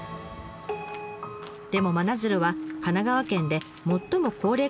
でも真鶴は神奈川県で最も高齢化率が高い町。